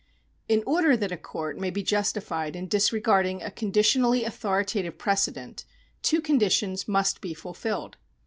In order that a court may be justified in disregarding a conditionally authoritative precedent, two conditions must be fulfilled.